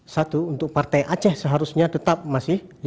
satu untuk partai aceh seharusnya tetap masih lima tujuh ratus tujuh